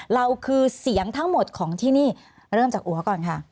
เราคือเสียงทั้งหมดของที่นี่เริ่มจากหัวก่อนค่ะ